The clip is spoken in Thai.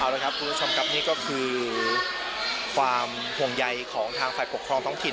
เอาละครับคุณผู้ชมครับนี่ก็คือความห่วงใยของทางฝ่ายปกครองท้องถิ่น